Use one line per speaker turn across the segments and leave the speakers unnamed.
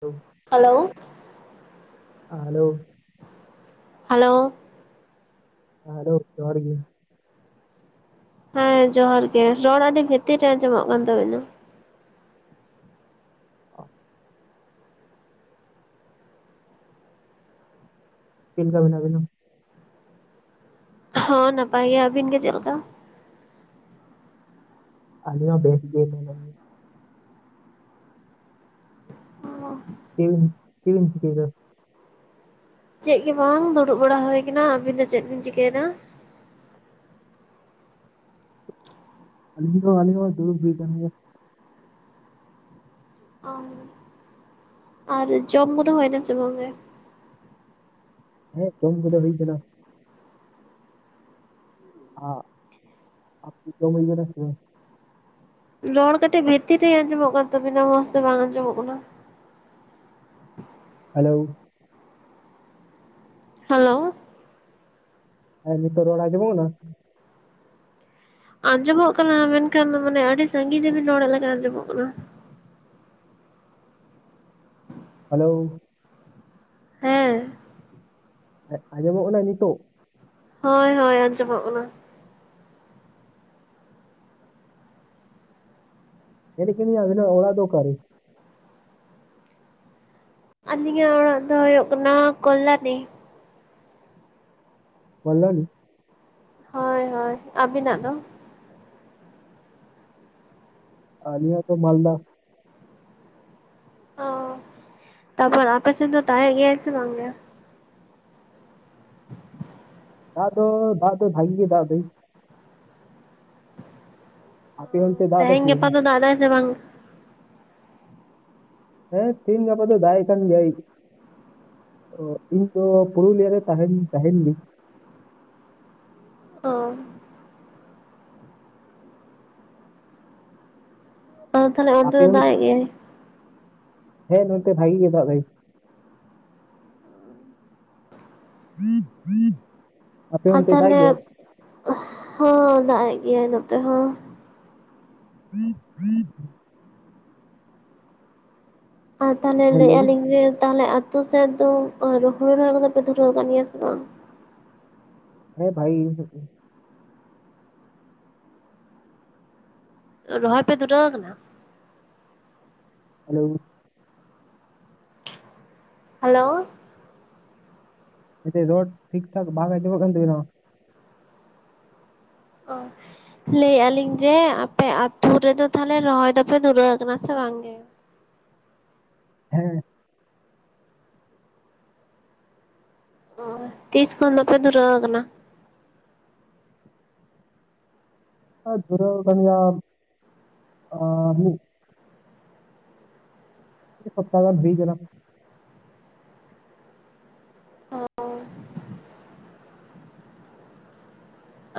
Hello
hello
hello
hello
ᱟᱨᱸᱳ ᱡᱚᱦ ᱦᱚᱲᱟᱨ ᱜᱮ [inaudible]
ᱦᱮᱸ ᱡᱚᱦᱟᱨ ᱜᱮ ᱨᱚᱲ ᱟᱹᱰᱤ ᱵᱷᱤᱛᱤᱨ ᱨᱮ ᱟᱸᱡᱚᱢᱚᱜ ᱠᱟᱱ ᱛᱟᱵᱮᱱᱟ
ᱚ ᱪᱮᱫ ᱞᱮᱠᱟᱠᱟ ᱵᱮᱱᱟ ᱵᱮᱱᱟ [inaudible]
ᱦᱚᱸ ᱱᱟᱯᱟᱭ ᱜᱮ ᱟᱹᱵᱤᱱ ᱜᱮ ᱪᱮᱫ ᱞᱮᱠᱟ
ᱟᱞᱮ ᱦᱚᱸ ᱵᱮᱥ ᱜᱮ ᱢᱮ
ᱚ [inaudible]
ᱪᱮᱫ, ᱪᱮᱫ ᱵᱤᱱ ᱪᱮᱠᱟᱭ ᱫᱟ
ᱪᱮᱫ ᱜᱮ ᱵᱟᱝ ᱫᱩᱲᱩᱵ ᱵᱟᱲᱟ ᱦᱩᱭ ᱠᱟᱱᱟ ᱟᱵᱤᱱ ᱫᱚ ᱪᱮᱫ ᱵᱤᱱ ᱪᱤᱠᱟᱹ ᱮᱫᱟ
ᱟᱞᱤᱧ ᱟᱞᱤᱧ ᱫᱩᱲᱩᱵ ᱜᱮ
ᱚ ᱟᱨ ᱡᱚᱢ ᱠᱚᱫᱚ ᱦᱩᱭᱱᱟ ᱥᱮ ᱵᱟᱝ ᱜᱮ
ᱦᱮᱸ ᱠᱟᱹᱢᱤ ᱠᱚᱫᱚ ᱦᱩᱭ ᱠᱟᱱᱟ ᱫᱚ ᱢᱟᱹᱭᱱᱟ ᱨ [inaudible]
ᱨᱚᱲ ᱠᱟᱹᱴᱤᱡ ᱵᱷᱤᱛᱤᱨ ᱨᱮ ᱟᱸᱡᱚᱢᱚᱜ ᱠᱟᱱ ᱛᱟᱵᱤᱱᱟ ᱢᱚᱸᱡᱽ ᱛᱮ ᱵᱟᱝ ᱟᱸᱡᱚᱢᱚᱜ ᱠᱟᱱᱟ
ᱦᱮᱞᱳ
ᱦᱮᱞᱳ
ᱦᱮᱸ ᱱᱤᱛᱚᱜ ᱨᱚᱲ ᱚᱸᱡᱚᱢᱚᱜ ᱠᱟᱱᱟ
ᱟᱸᱡᱚᱢᱚᱜ ᱠᱟᱱᱟ ᱢᱮᱱᱠᱷᱟᱱ ᱢᱟᱱᱮ ᱟᱹᱰᱤ ᱥᱟᱺᱜᱤᱧ ᱨᱮᱵᱤᱱ ᱨᱚᱲᱮᱫ ᱞᱮᱠᱟ ᱟᱸᱡᱚᱢᱚᱜ ᱠᱟᱱᱟ
ᱦᱮᱞᱳ
ᱦᱮᱸ
ᱟᱸᱡᱚᱢᱚᱜ ᱠᱟᱱᱟ ᱱᱤᱛᱚᱜ
ᱦᱳᱭ ᱦᱳᱭ ᱟᱸᱡᱚᱢᱚᱜ ᱠᱟᱱᱟ
ᱢᱮᱱᱮᱫ ᱛᱟᱦᱮᱸᱱᱟᱹᱧ ᱟᱵᱮᱱᱟᱜ ᱚᱲᱟᱜ ᱫᱚ ᱚᱠᱟᱨᱮ
ᱟᱹᱞᱤᱧᱟᱜ ᱚᱲᱟᱜ ᱫᱚ ᱦᱩᱭᱩᱜ ᱠᱟᱱᱟ ᱠᱚᱞᱞᱟᱱᱤ
ᱠᱚᱞᱞᱟᱱᱤ
ᱦᱳᱭ ᱦᱳᱭ ᱟᱵᱤᱱᱟᱜ ᱫᱚ
ᱟᱞᱤᱧᱟᱜ ᱫᱚ ᱢᱟᱞᱫᱟ
ᱚ ᱛᱟᱯᱚᱨ ᱟᱯᱮ ᱥᱮ ᱫᱚ ᱫᱟᱜ ᱮᱫ ᱜᱮᱭᱟᱭ ᱥᱮ ᱵᱟᱝ ᱜᱮ
ᱫᱟᱜ ᱫᱚ ᱫᱟᱜ ᱫᱚ ᱵᱷᱟᱜᱮ ᱜᱮ ᱫᱟᱜ ᱫᱚᱭ ᱟᱯᱮ ᱚᱱᱛᱮ ᱫᱟᱜ ᱮᱫᱟᱭ
ᱛᱮᱦᱮᱧ
ᱥᱮ ᱵᱟᱝ?
ᱜᱟᱯᱟ ᱫᱚ ᱫᱟᱜ ᱫᱟᱭ ᱥᱮ ᱵᱟᱝ
ᱦᱮᱸ ᱛᱮᱦᱮᱧ ᱜᱟᱯᱟ ᱫᱚᱭ ᱫᱟᱜ ᱠᱟᱱ ᱜᱮᱭᱟᱭ ᱤᱧ ᱫᱚ ᱯᱩᱨᱩᱞᱤᱭᱟ ᱨᱮ ᱛᱟᱦᱮᱸᱱ ᱛᱟᱦᱮᱸᱱ ᱞᱤᱧ
ᱚ ᱛᱟᱦᱚᱞᱮ ᱚᱱᱛᱮ
ᱟᱯᱮ
ᱫᱚ ᱫᱟᱜ ᱮᱫ ᱜᱮᱭᱟᱭ
ᱦᱮᱸ ᱱᱚᱛᱮ ᱵᱷᱟᱹᱜᱤ ᱜᱮ ᱫᱟᱜ ᱫᱟᱭ ᱦᱮᱸ ᱦᱩᱸ
ᱟᱨ ᱛᱟᱦᱚᱞᱮ ᱦᱚᱸ ᱫᱟᱜ ᱮᱫ ᱜᱮᱭᱟᱭ ᱱᱚᱛᱮ ᱦᱚᱸ
ᱦᱩᱸ ᱦᱩᱸ
ᱟᱨ ᱛᱟᱦᱚᱞᱮ
ᱦᱮᱸ ᱞᱟᱹᱭ
ᱞᱟᱹᱭᱮᱫᱼᱟ
ᱵᱤᱱ
ᱞᱤᱧ ᱡᱮ ᱛᱟᱦᱚᱞᱮ ᱟᱛᱳ ᱥᱮᱫ ᱫᱚ ᱦᱩᱲᱩ ᱨᱚᱦᱚᱭ ᱠᱚᱫᱚ ᱯᱮ ᱫᱷᱩᱨᱟᱹᱣ ᱠᱟᱱ ᱜᱮᱭᱟ ᱥᱮ ᱵᱟᱝ
ᱦᱮᱸ ᱵᱷᱟᱹᱜᱤ ᱜᱮ
ᱨᱚᱦᱚᱭ ᱯᱮ ᱫᱷᱩᱨᱟᱹᱣ ᱟᱠᱟᱱᱟ
ᱦᱮᱞᱳ
ᱦᱮᱞᱳ
ᱢᱮ ᱨᱚᱲ ᱴᱷᱤᱠ ᱴᱷᱟᱠ ᱵᱟᱝ ᱟᱸᱡᱚᱢᱚᱜ ᱠᱟᱱ ᱛᱟᱠᱤᱱᱟ
ᱚ ᱞᱟᱹᱭᱮᱫᱟ ᱞᱤᱧ ᱡᱮ ᱟᱯᱮ ᱟᱹᱛᱩ‌ ‌‌‍‍ᱨᱮᱫᱚ ᱛᱟᱦᱞᱮ ᱨᱚᱦᱚᱭ ᱫᱚᱯᱮ ᱫᱷᱩᱨᱟᱹᱣ ᱟᱠᱟᱱᱟ ᱥᱮ ᱵᱟᱝ ᱜᱮ
ᱦᱮᱸ
ᱚ ᱛᱤᱥ ᱠᱷᱚᱱ ᱫᱚᱯᱮ ᱫᱷᱩᱨᱟᱹᱣ ᱟᱠᱟᱱᱟ
ᱦᱮᱸ ᱫᱷᱩᱨᱟᱹᱣ ᱟᱠᱟᱱ ᱜᱮᱭᱟ ᱢᱤᱫ ᱥᱯᱛᱟᱦᱚ ᱜᱟᱱ ᱦᱩᱭ ᱟᱠᱟᱱᱟ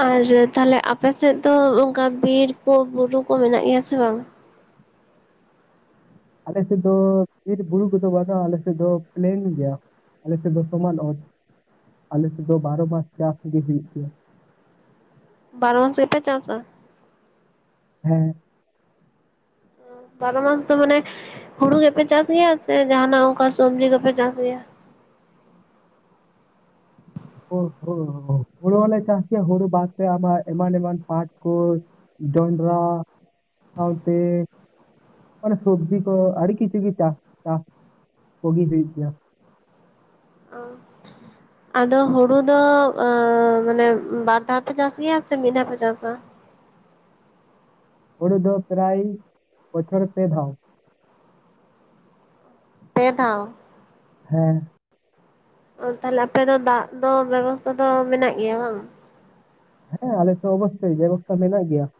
ᱟᱨ ᱛᱟᱦᱚᱞᱮ ᱟᱯᱮ ᱥᱮᱫ ᱫᱚ ᱚᱱᱠᱟ ᱵᱤᱨ ᱠᱚ ᱵᱩᱨᱩ ᱠᱚ ᱢᱮᱱᱟᱜ ᱜᱮᱭᱟ ᱥᱮ ᱵᱟᱝ
ᱟᱞᱮ ᱥᱮᱫ ᱫᱚ ᱵᱤᱨ ᱵᱩᱨᱩ ᱠᱩ ᱫᱚ ᱵᱟᱝ ᱟᱞᱮ ᱥᱮᱫ ᱫᱚ ᱯᱞᱮᱱ ᱜᱮᱭᱟ ᱟᱞᱮ ᱥᱮᱫ ᱫᱚ ᱥᱚᱢᱟᱱ ᱚᱛ ᱟᱞᱮ ᱥᱮᱫ ᱫᱚ ᱵᱟᱨᱚ ᱢᱟᱥ ᱪᱟᱥ ᱜᱮ ᱦᱩᱭᱩᱜ ᱜᱮᱭᱟ
ᱵᱟᱨᱚ ᱢᱟᱥ ᱜᱮ ᱯᱮ ᱪᱟᱥᱟ
ᱦᱮᱸ
ᱵᱟᱨᱚ ᱢᱟᱥ ᱫᱚ ᱢᱟᱱᱮ ᱦᱩᱲᱩ ᱜᱮᱯᱮ ᱪᱟᱥ ᱜᱮᱭᱟ ᱥᱮ ᱡᱟᱦᱟᱸᱱᱟᱜ ᱚᱱᱠᱟ ᱥᱚᱵᱽᱡᱤ ᱠᱚᱯᱮ ᱪᱟᱥ ᱜᱮᱭᱟ
ᱚ ᱦᱳ ᱦᱩᱲᱩ ᱦᱚᱸᱞᱮ ᱪᱟᱥ ᱜᱮᱭᱟ ᱦᱩᱲᱩ ᱵᱟᱫ ᱛᱮ ᱟᱵᱟᱨ ᱮᱢᱟᱱ ᱮᱢᱟᱱ ᱯᱟᱴ ᱠᱚ ᱡᱚᱱᱰᱽᱨᱟ ᱥᱟᱶᱛᱮ ᱢᱟᱱᱮ ᱥᱚᱵᱽᱡᱤ ᱠᱚ ᱟᱹᱰᱤ ᱠᱤᱪᱷᱩ ᱜᱮ ᱪᱟᱥ ᱪᱟᱥ ᱠᱚ ᱜᱤ ᱦᱩᱭᱩᱜ ᱠᱟᱱᱟ
ᱚ ᱟᱫᱚ ᱦᱩᱲᱩ ᱫᱚ ᱢᱟᱱᱮ ᱵᱟᱨ ᱫᱷᱟᱣ ᱯᱮ ᱪᱟᱥ ᱜᱮᱭᱟ ᱥᱮ ᱢᱤᱫ ᱫᱷᱟᱣ ᱯᱮ ᱪᱟᱥᱟ
ᱦᱳᱲᱳ ᱫᱚ ᱯᱨᱟᱭ [inaudible] ᱵᱚᱪᱷᱚᱨ ᱯᱮ ᱫᱷᱟᱣ ᱾
ᱯᱮ ᱫᱷᱟᱣ ᱾
ᱦᱮᱸ
ᱚ ᱛᱟᱦᱚᱞᱮ ᱟᱯᱮ ᱫᱚ ᱫᱟᱜ ᱫᱚ ᱵᱮᱵᱚᱥᱛᱷᱟ ᱫᱚ ᱢᱮᱱᱟᱜ ᱜᱮᱭᱟ ᱵᱟᱝ?
ᱦᱮᱸ ᱟᱞᱮ ᱥᱮᱫ ᱚᱵᱚᱥᱳᱭ ᱵᱮᱵᱚᱥᱛᱷᱟ ᱢᱮᱱᱟᱜ ᱜᱮᱭᱟ ᱾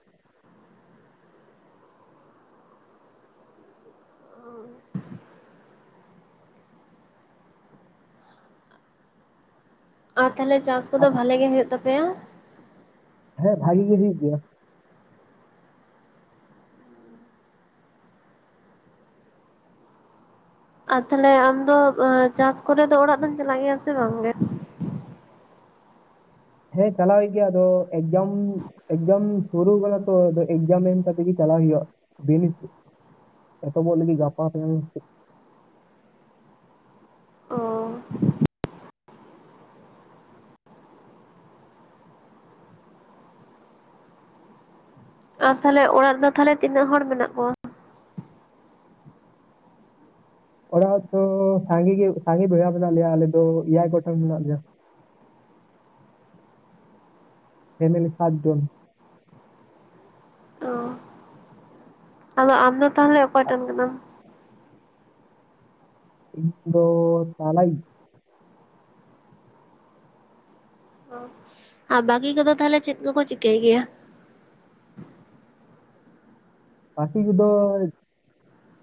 ᱟᱨ ᱛᱟᱦᱚᱞᱮ ᱪᱟᱥ
ᱟᱨ
ᱠᱚᱫᱚ ᱵᱷᱟᱞᱮ ᱜᱮ ᱦᱳᱭᱳᱜ ᱛᱟᱯᱮᱭᱟ ᱾
ᱦᱮᱸ ᱵᱷᱟᱜᱤ ᱜᱮ ᱦᱩᱭᱩᱜ ᱜᱮᱭᱟ ᱾
ᱟᱨ ᱛᱟᱦᱞᱮ ᱟᱢᱫᱚ ᱪᱟᱥ ᱠᱚᱨᱮ ᱫᱚ ᱚᱲᱟᱜ ᱫᱚᱢ ᱪᱟᱞᱟᱜ ᱜᱮᱭᱟ ᱥᱮ ᱵᱟᱝ ᱜᱮ?
ᱦᱮᱸ ᱪᱟᱞᱟᱣ ᱦᱩᱭᱩᱜ ᱜᱮᱭᱟ ᱟᱫᱚ ᱮᱠᱡᱟᱢ ᱮᱠᱡᱟᱢ ᱥᱩᱨᱩ ᱠᱟᱱᱟ ᱛᱚ ᱮᱠᱡᱟᱢ ᱮᱢ ᱠᱟᱛᱮᱜᱮ ᱪᱟᱞᱟᱜ ᱦᱩᱭᱩᱜᱼᱟ ᱵᱤᱱᱤᱰ ᱮᱛᱚᱦᱚᱵᱚᱜ ᱞᱟᱹᱜᱤᱫ ᱜᱟᱯᱟ ᱛᱮ
ᱚᱻ ᱟᱨ ᱛᱟᱦᱚᱞᱮ ᱚᱲᱟᱜ ᱨᱮᱫᱚ ᱛᱟᱦᱚᱞᱮ ᱛᱤᱱᱟᱹᱜ ᱦᱚᱲ ᱢᱮᱱᱟᱜ ᱠᱚᱣᱟ?
ᱚᱲᱟᱜ ᱫᱚ ᱥᱟᱸᱜᱮ ᱜᱮ ᱥᱟᱸᱜᱮ ᱵᱚᱭᱦᱟ ᱢᱮᱱᱟᱜ ᱞᱮᱭᱟ ᱟᱞᱮ ᱫᱚ ᱮᱭᱟᱭ ᱜᱚᱴᱟᱝ ᱢᱮᱱᱟᱜ ᱞᱮᱭᱟ ᱾ ᱯᱷᱮᱢᱤᱞᱤ ᱥᱟᱛ ᱡᱚᱱ᱾
ᱚᱻ ᱟᱫᱚ ᱟᱢᱫᱚ ᱛᱟᱦᱚᱞᱮ ᱚᱠᱟᱴᱮᱱ ᱠᱟᱱᱟᱢ?
ᱤᱧ ᱫᱚ ᱛᱟᱞᱟᱭᱤᱡ ᱾
ᱚᱻ ᱟᱨ ᱵᱟᱠᱤ ᱠᱚᱫᱚ ᱛᱟᱦᱚᱞᱮ ᱪᱮᱫ ᱠᱚ ᱠᱚ ᱪᱤᱠᱟᱹᱭ ᱜᱮᱭᱟ?
ᱵᱟᱠᱤ ᱠᱚᱫᱚ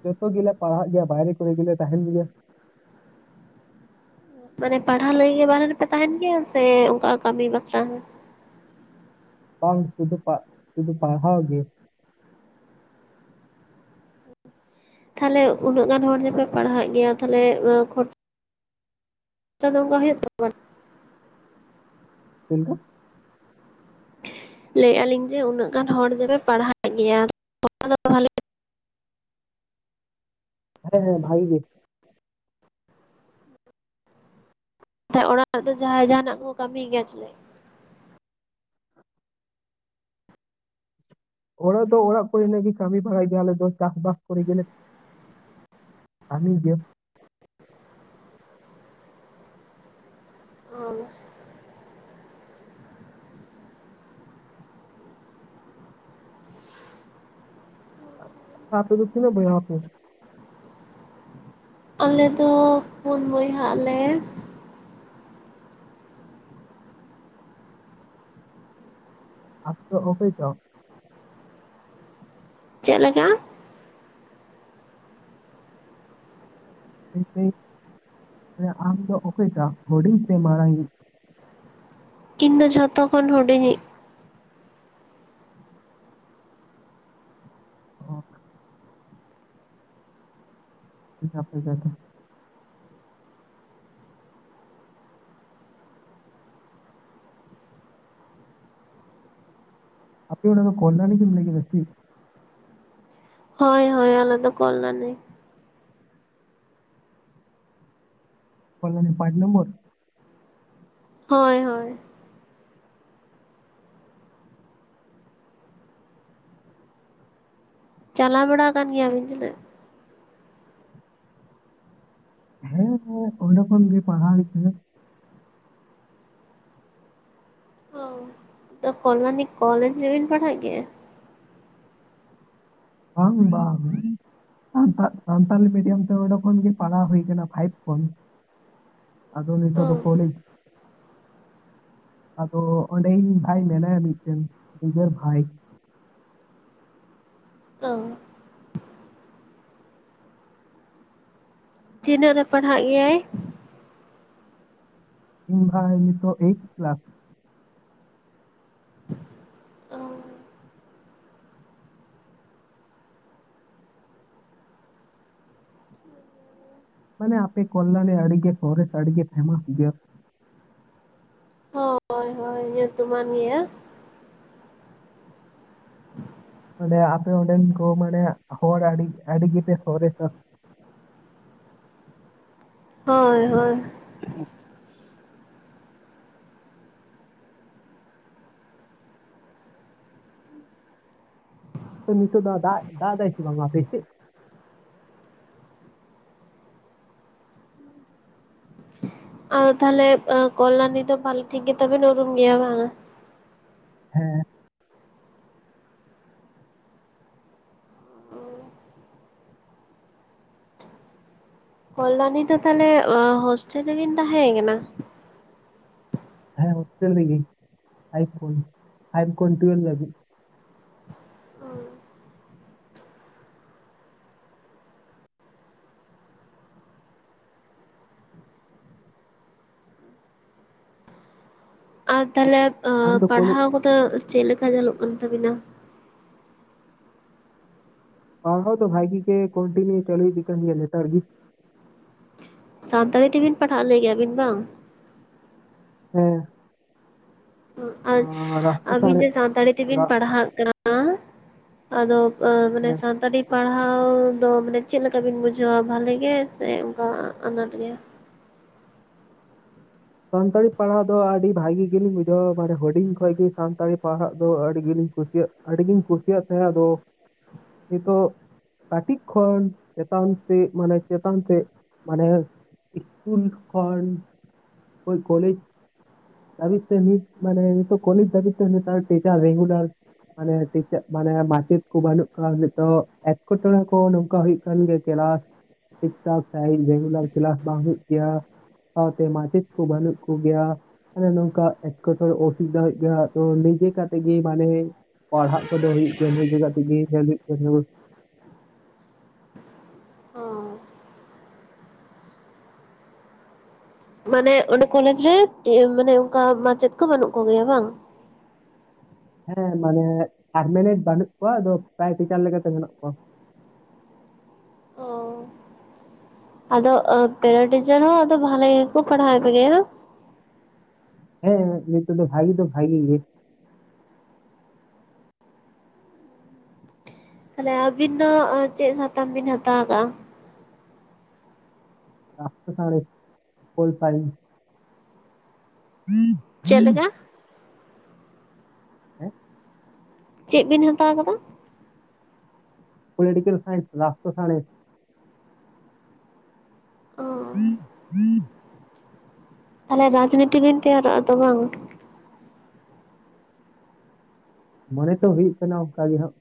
ᱡᱚᱛᱚ ᱜᱮᱞᱮ ᱯᱟᱲᱦᱟᱜ ᱜᱮᱭᱟ ᱵᱟᱭᱨᱮ ᱠᱚᱨᱮ ᱜᱮᱞᱮ ᱛᱟᱦᱮᱱ ᱜᱮᱭᱟ ᱾
ᱢᱟᱱᱮ ᱯᱟᱲᱦᱟᱣ ᱞᱟᱹᱜᱤᱫ ᱜᱮ ᱵᱟᱨᱮ ᱨᱮᱯᱮ ᱛᱟᱦᱮᱱ ᱜᱮᱭᱟ ᱥᱮ ᱚᱱᱠᱟ ᱠᱟᱹᱢᱤ ᱵᱟᱠᱷᱨᱟ ᱦᱚᱸ?
ᱵᱟᱝ ᱥᱩᱫᱩ ᱯᱟᱜ ᱥᱩᱫᱩ ᱯᱟᱲᱦᱟᱣ ᱜᱮ ᱾
ᱛᱟᱦᱮᱞᱮ ᱩᱱᱟᱹᱜ ᱜᱟᱱ ᱦᱚᱲ ᱜᱮᱯᱮ ᱯᱟᱲᱦᱟᱜ ᱮᱫ ᱜᱮᱭᱟ ᱛᱟᱦᱞᱮ ᱠᱷᱚᱨᱪᱟ ᱫᱚ ᱚᱱᱠᱟ ᱦᱩᱭᱩᱜ [unintelligible]
ᱪᱮᱫ ᱞᱮᱠᱟ?
ᱞᱟᱹᱭᱮᱜᱼᱟ ᱞᱤᱧ ᱡᱮ ᱩᱱᱟᱹᱜ ᱜᱟᱱ ᱦᱚᱲ ᱡᱮᱯᱮ ᱯᱟᱲᱦᱟᱜ ᱮᱫ ᱜᱮᱭᱟ ᱫᱚ ᱯᱟᱲᱦᱟᱣ [unintelligible]
ᱦᱮᱸ ᱦᱮᱸ ᱵᱷᱟᱜᱤ ᱜᱮ ᱾
ᱚᱲᱟᱜ ᱨᱮ ᱫᱚ ᱡᱟᱦᱟᱸᱭ ᱡᱟᱦᱟᱱᱟᱜ ᱠᱚ ᱠᱟᱹᱢᱤᱭ ᱜᱮᱭᱟ ᱪᱮᱞ
ᱚᱲᱟᱜ ᱫᱚ ᱚᱲᱟᱜ ᱠᱚᱨᱮᱱᱟᱜ ᱜᱮ ᱠᱟᱹᱢᱤ ᱵᱟᱲᱟᱭ ᱜᱮᱭᱟᱞᱮ ᱫᱚ ᱪᱟᱥ-ᱵᱟᱥ ᱠᱚᱨᱮ ᱜᱮᱞᱮ [unintelligible]
ᱦᱚᱭ
ᱛᱯᱮ ᱫᱚ ᱛᱤᱱᱟᱹᱜ ᱵᱚᱭᱦᱟᱜ ᱯᱮ?
ᱟᱞᱮ ᱫᱚ ᱯᱩᱱ ᱵᱚᱭᱦᱟᱜ ᱞᱮ ᱾
ᱟᱢ ᱫᱚ ᱚᱠᱚᱭ ᱴᱟᱜ?
ᱪᱮᱫ ᱞᱮᱠᱟ?
ᱢᱟᱱᱮ ᱥᱟᱣ ᱟᱢᱫᱚ ᱚᱠᱚᱭᱴᱟᱜ ᱦᱩᱰᱤᱝ ᱥᱮ ᱢᱟᱨᱟᱝ ᱤᱡ?
ᱤᱧ ᱫᱚ ᱡᱷᱚᱛᱚ ᱠᱷᱚᱱ ᱦᱩᱰᱤᱧᱤᱡ ᱾
ᱚ [unintelligible] ᱟᱯᱮ ᱚᱲᱟ ᱫᱚ [unintelligible] ᱮᱢ ᱞᱟᱹᱭ ᱠᱮᱫᱟ ᱪᱤ
ᱦᱚᱭ ᱦᱚᱭ ᱟᱞᱮ ᱫᱚ ᱠᱚᱞᱟᱹᱱᱤ
ᱠᱚᱞᱟᱹᱱᱤ ᱯᱟᱸᱪ ᱱᱚᱢᱵᱚᱨ
ᱦᱚᱭ ᱦᱚᱭ ᱪᱟᱞᱟᱣ ᱵᱟᱲᱟ ᱠᱟᱱ ᱜᱮᱭᱟ ᱵᱤᱱ ᱡᱮᱞᱮᱠ
ᱦᱮᱸ ᱚᱸᱰᱮ ᱠᱷᱚᱱ ᱜᱮ ᱯᱟᱲᱦᱟᱣ ᱦᱚᱭᱚ ᱛᱮᱱᱟ
[unintelligible] ᱛᱚ ᱠᱚᱞᱞᱟᱱᱤ ᱠᱚᱞᱮᱡᱽ ᱨᱮᱵᱤᱱ ᱯᱟᱲᱦᱟᱜ ᱜᱮᱭᱟ ᱾
ᱵᱟᱝ ᱵᱟᱝ ᱥᱟᱱᱛᱟᱞᱤ ᱢᱤᱰᱤᱭᱟᱢ ᱛᱮ ᱚᱸᱰᱮ ᱠᱷᱚᱱ ᱜᱮ ᱯᱟᱲᱦᱟᱣ ᱦᱩᱭ ᱟᱠᱟᱱᱟ ᱯᱷᱟᱭᱤᱵ ᱠᱷᱚᱱ ᱾ ᱟᱫᱚ
ᱚ
ᱱᱤᱛᱚᱜ ᱫᱚ ᱠᱳᱞᱮᱡ ᱟᱫᱚ ᱚᱸᱰᱮ ᱤᱧ ᱵᱷᱟᱭ ᱢᱮᱱᱟᱭᱟ ᱢᱤᱫᱴᱮᱱ ᱱᱤᱡᱮᱨ ᱵᱷᱟᱭ
[unintelligible] ᱛᱤᱱᱟᱹᱜ ᱨᱮ ᱯᱟᱲᱦᱟᱜ ᱜᱮᱭᱟᱭ?
[unintelligible] ᱱᱤᱛᱚᱜ ᱮᱭᱤᱴ ᱠᱮᱞᱟᱥ᱾ ᱢᱟᱱᱮ ᱟᱯᱮ ᱠᱚᱞᱞᱟᱞᱤ ᱟᱰᱤ ᱜᱮ ᱥᱚᱨᱮᱥ ᱟᱰᱤ ᱜᱮ ᱯᱷᱮᱢᱟᱥ ᱜᱮᱭᱟ᱾
ᱦᱳᱭ ᱦᱳᱭ᱾ ᱧᱩᱛᱩᱢᱟᱱ ᱜᱮᱭᱟ᱾
ᱢᱟᱱᱮ ᱟᱯᱮ ᱚᱸᱰᱮᱱ ᱠᱚ ᱢᱟᱱᱮ ᱦᱚᱲ ᱟᱹᱰᱤ [unintelligible] ᱜᱮ ᱯᱮ ᱥᱚᱨᱮᱥ-ᱟ᱾
ᱦᱳᱭ ᱦᱳᱭ᱾
[unintelligible] ᱛᱚ ᱱᱤᱛᱚᱜ ᱫᱚ [unintelligible] ᱫᱟᱜ ᱮᱫᱟᱭ ᱥᱤ ᱵᱟᱝ ᱟᱯᱮ ᱥᱮᱫ?
ᱟᱨ ᱛᱟᱦᱚᱞᱮ ᱠᱚᱞᱞᱟᱱᱤ ᱫᱚ ᱵᱷᱟᱞᱮ ᱴᱷᱤᱠ ᱜᱮᱛᱚ ᱵᱤᱱ ᱩᱨᱩᱢ ᱜᱮᱭᱟ ᱵᱟᱝᱼᱟ?
ᱦᱮᱸ᱾
ᱠᱚᱞᱟᱱᱤ ᱫᱚ ᱛᱟᱦᱚᱞᱮ ᱦᱳᱥᱴᱮᱞ ᱨᱮᱵᱤᱱ ᱛᱟᱦᱮᱸ ᱟᱠᱟᱱᱟ?
ᱦᱮᱸ ᱦᱤᱥᱴᱮᱞ ᱨᱮ ᱜᱮ ᱯᱷᱟᱭᱤᱵ‌ ᱠᱷᱚᱱ ᱯᱷᱟᱭᱤᱵ ᱠᱷᱚᱱ ᱴᱩᱭᱮᱞᱵᱽ ᱫᱷᱟᱵᱤᱡ᱾
ᱟᱨ ᱛᱟᱦᱚᱞᱮ
ᱟᱢ ᱫᱚ ᱠᱚᱞᱮᱡᱽ
ᱯᱟᱲᱦᱟᱣ ᱠᱚᱫᱚ ᱪᱮᱫ ᱞᱮᱠᱟ ᱪᱟᱞᱩᱜ ᱠᱟᱱ ᱛᱟᱵᱤᱱᱟ?
ᱯᱟᱲᱦᱟᱣ ᱫᱚ ᱵᱷᱟᱜᱤ ᱜᱮ ᱠᱚᱱᱴᱤᱱᱤᱭᱩ ᱪᱟᱞᱩ ᱤᱫᱤ ᱠᱟᱱ ᱜᱤᱭᱟ ᱞᱮᱛᱟᱲ ᱜᱮ
ᱥᱟᱱᱛᱟᱲᱤ ᱛᱮ ᱵᱤᱱ ᱯᱟᱲᱦᱟᱜ ᱞᱮᱭ ᱠᱮᱫᱟᱜ ᱵᱤᱱ ᱵᱟᱝ?
ᱦᱮᱸ᱾
ᱟᱨ
ᱨᱟᱥᱴᱨᱚ
ᱟᱹᱵᱤᱱ
ᱥᱟᱬᱮᱥ
ᱡᱮ ᱥᱟᱱᱛᱟᱲᱤ ᱛᱮ ᱵᱤᱱ
ᱨᱟ-
ᱯᱟᱲᱦᱟᱜ ᱠᱟᱱᱟ ᱟᱫᱚ ᱢᱟᱱᱮ
ᱦᱮᱸ
ᱥᱟᱱᱛᱟᱲᱤ ᱯᱟᱲᱦᱟᱣ ᱫᱚ ᱢᱟᱱᱮ ᱪᱮᱫ ᱞᱮᱠᱟ ᱵᱤᱱ ᱵᱩᱡᱷᱟᱹᱣᱟ ᱵᱟᱷᱟᱞᱮ ᱜᱮ ᱥᱮ ᱚᱱᱠᱟ ᱟᱱᱟᱴ ᱜᱮ?
ᱥᱟᱱᱛᱟᱲᱤ ᱯᱟᱲᱦᱟᱜ ᱫᱚ ᱟᱹᱰᱤ ᱵᱷᱟᱜᱤ ᱜᱮᱞᱤᱧ ᱵᱩᱡᱷᱟᱹᱣᱟ ᱢᱟᱱᱮ ᱦᱩᱰᱤᱧ ᱠᱷᱚᱡ ᱜᱮ ᱥᱟᱱᱛᱟᱲᱤ ᱯᱟᱲᱦᱟᱜ ᱫᱚ ᱟᱹᱰᱤ ᱜᱮᱞᱤᱧ ᱠᱩᱥᱤᱭᱟᱜᱼᱟ᱾ ᱟᱹᱰᱤ ᱜᱤᱧ ᱠᱩᱥᱤᱭᱟᱜ ᱛᱟᱦᱮᱸᱫ ᱟᱫᱚ ᱱᱤᱛᱚᱜ ᱠᱟᱹᱴᱤᱡ ᱠᱷᱚᱱ ᱪᱮᱛᱟᱱ ᱥᱮᱫ ᱢᱟᱱᱮ ᱪᱮᱛᱟᱱ ᱥᱮᱫ ᱢᱟᱱᱮ ᱤᱥᱠᱩᱞ ᱠᱷᱚᱱ [unintelligible] ᱠᱚᱞᱮᱡᱽ ᱫᱷᱟᱵᱤᱡ ᱛᱮ ᱱᱤᱛ ᱢᱟᱱᱮ ᱱᱛᱚᱜ ᱠᱚᱞᱮᱡ ᱫᱷᱟᱵᱤᱡ ᱛᱮ ᱱᱮᱛᱟᱨ ᱴᱤᱪᱟᱨ ᱨᱮᱜᱩᱞᱟᱨ ᱢᱟᱱᱮ ᱢᱟᱱᱮ ᱢᱟᱪᱮᱫ ᱠᱚ ᱵᱟᱹᱱᱩᱜ ᱠᱚᱣᱟ ᱱᱤᱛᱚ ᱮᱴᱠᱮᱴᱚᱬᱮ ᱠᱚ ᱱᱚᱝᱠᱟ ᱦᱩᱭᱩᱜ ᱠᱟᱱᱟ [unintelligible] ᱜᱮ ᱠᱮᱞᱟᱥ ᱴᱷᱤᱠ ᱴᱷᱟᱠ ᱥᱟᱸᱦᱤᱡ ᱨᱮᱜᱩᱞᱟᱨ ᱠᱮᱞᱟᱥ ᱵᱟᱝ ᱦᱩᱭᱩᱜ ᱜᱮᱭᱟ ᱥᱟᱶᱛᱮ ᱢᱟᱪᱮᱫ ᱠᱚ ᱵᱟᱹᱱᱩᱜ ᱠᱚᱜᱮᱭᱟ᱾ ᱢᱟᱱᱮ ᱱᱚᱝᱠᱟ ᱮᱴᱠᱮᱴᱚᱸᱬᱮ ᱚᱥᱩᱵᱤᱫᱷᱟ ᱦᱩᱭᱩᱜ ᱠᱟᱱᱟ ᱛᱚ ᱱᱤᱡᱮ ᱠᱟᱛᱮᱫ ᱜᱮ ᱢᱟᱱᱮ ᱯᱟᱲᱦᱟᱜ ᱠᱚᱫᱚ ᱦᱩᱭᱩᱜ ᱜᱮᱭᱟ [unintelligible] ᱛᱮ ᱜᱮ ᱧᱮᱞ ᱦᱩᱭᱩᱜ ᱠᱟᱱᱟ
ᱦᱳᱭ᱾ ᱢᱟᱱᱮ ᱚᱸᱰᱮ ᱠᱚᱞᱮᱡᱽ ᱨᱮ ᱢᱟᱱᱮ ᱚᱱᱠᱟ ᱢᱟᱪᱮᱫ ᱠᱚ ᱵᱟᱹᱱᱩᱜ ᱠᱚᱜᱮᱭᱟ ᱵᱟᱝ?
ᱦᱮᱸ ᱢᱟᱱᱮ ᱯᱟᱨᱢᱟᱱᱮᱱᱴ ᱵᱟᱹᱱᱩᱜ ᱠᱚᱣᱟ ᱟᱫᱚ ᱯᱨᱟᱭᱴᱤᱪᱟᱨ ᱞᱮᱠᱟᱛᱮ ᱢᱮᱱᱟᱜ ᱠᱚᱣᱟ᱾
ᱚ ᱟᱫᱚ ᱯᱮᱨᱟ ᱴᱤᱪᱟᱨ ᱦᱚᱸ ᱟᱫᱚ ᱵᱷᱟᱞᱤ ᱜᱮᱠᱚ ᱯᱟᱲᱦᱟᱣ ᱯᱮᱜᱮᱭᱟ?
ᱦᱮᱸ ᱱᱤᱛᱚᱜ ᱫᱚ ᱵᱷᱟᱜᱤ ᱫᱚ ᱵᱷᱟᱜᱤ ᱜᱮ᱾
ᱛᱟᱦᱚᱞᱮ ᱟᱹᱵᱤᱱ ᱫᱚ ᱪᱮᱫ ᱥᱟᱛᱟᱢ ᱵᱤᱱ ᱦᱟᱛᱟᱣ ᱟᱠᱟᱫᱼᱟ?
ᱨᱟᱥᱴᱨᱚ ᱥᱟᱸᱬᱮᱥ [unintelligible] ᱥᱟᱸᱬᱮᱥ᱾ [unintelligible]
ᱪᱮᱫ ᱞᱮᱠᱟ?
ᱦᱮᱸ
ᱪᱮᱫ ᱵᱤᱱ ᱦᱟᱛᱟᱣ ᱟᱠᱟᱫᱟ?
ᱯᱚᱞᱤᱴᱤᱠᱮᱞ ᱥᱟᱭᱮᱱᱥ ᱨᱟᱥᱴᱨᱚ ᱥᱟᱸᱬᱮᱥ᱾
[unintelligible]
[unintelligible] [unintelligible]
ᱛᱟᱦᱚᱞᱮ ᱨᱟᱡᱽᱱᱤᱛᱤ ᱵᱮᱱ ᱛᱮᱭᱟᱨᱚᱜᱼᱟ ᱛᱚ ᱵᱟᱝ?
ᱢᱚᱱᱮ ᱛᱚ ᱦᱩᱭᱩᱜ ᱠᱟᱱᱟ ᱚᱱᱠᱟ ᱜᱮ ᱦᱟᱸᱜ᱾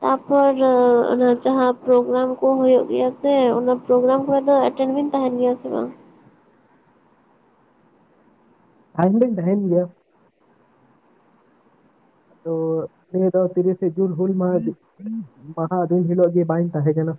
ᱛᱟᱯᱚᱨ ᱚᱱᱟ ᱡᱟᱦᱟᱸ ᱯᱨᱳᱜᱨᱟᱢ ᱠᱚ ᱦᱩᱭᱩᱜ ᱜᱮᱭᱟ ᱥᱮ ᱚᱱᱟ ᱯᱨᱳᱜᱨᱟᱢ ᱠᱚᱨᱮ ᱫᱚ ᱮᱴᱮᱱ ᱵᱮᱱ ᱛᱟᱦᱮᱱ ᱜᱮᱭᱟ ᱥᱮ ᱵᱟᱝ?
[unintelligible] ᱛᱟᱦᱮᱱ ᱜᱮᱭᱟ᱾ ᱛᱚ ᱱᱤᱭᱟᱹ ᱫᱚ ᱛᱤᱨᱤᱥᱮ ᱡᱩᱱ ᱦᱩᱞ ᱢᱟᱦᱟ ᱢᱟᱦᱟ ᱫᱤᱱ ᱦᱤᱞᱳᱜᱮ ᱵᱟᱧ ᱛᱟᱦᱮᱠᱟᱱᱟ᱾